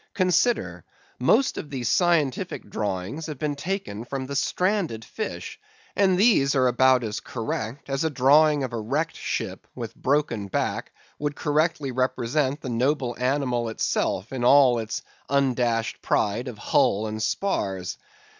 Consider! Most of the scientific drawings have been taken from the stranded fish; and these are about as correct as a drawing of a wrecked ship, with broken back, would correctly represent the noble animal itself in all its undashed pride of hull and spars.